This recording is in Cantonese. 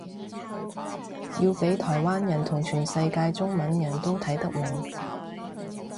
要畀台灣人同全世界中文人都睇得明